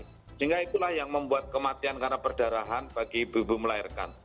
sehingga itulah yang membuat kematian karena perdarahan bagi ibu ibu melahirkan